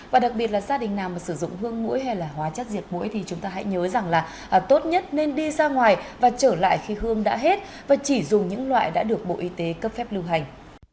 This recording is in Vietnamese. và đặc biệt là gia đình nào mà sử dụng hương mũi hay là hóa chất diệt mũi thì chúng ta hãy nhớ rằng là tốt nhất nên đi ra ngoài và trở lại khi hương đã hết và chỉ dùng những loại đã được bộ y tế cấp phép lưu hành